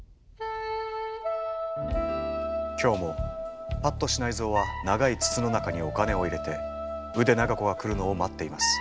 今日も八渡支内造は長い筒の中にお金を入れて腕長子が来るのを待っています。